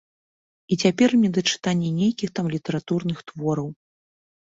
І цяпер ім не да чытання нейкіх там літаратурных твораў.